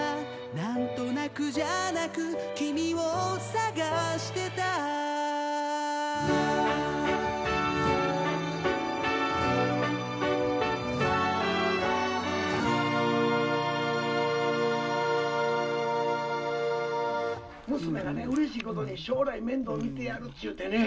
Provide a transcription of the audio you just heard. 「なんとなくじゃなく『君を探してた』」「娘がねうれしいことに将来面倒見てやるっちゅうてね。